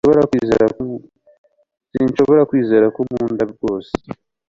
Sinshobora kwizera ko unkunda rwose